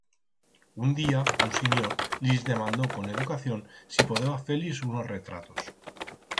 Un día un sinyor lis demandó con educación si podeba fer-lis unos retratos.